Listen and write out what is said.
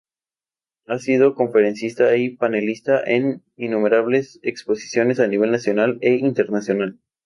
Ha sido conferencista y panelista en innumerables exposiciones a nivel nacional e internacional.